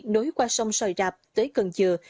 nối qua sông sòi rạp tới cần dừa